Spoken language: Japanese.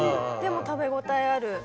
でも食べ応えある。